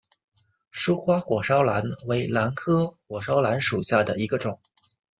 疏花火烧兰为兰科火烧兰属下的一个种。